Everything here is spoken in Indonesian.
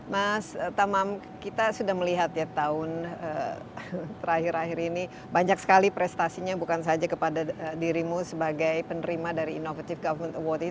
mas tamam kita sudah melihat ya tahun terakhir ini banyak sekali prestasinya bukan saja kepada dirimu sebagai penerima dari inovative government award ini